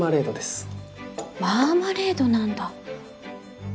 マーマレードなんだ。